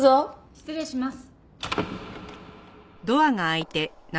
失礼します。